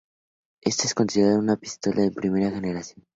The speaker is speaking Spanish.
Esta es considerada una pistola de primera generación.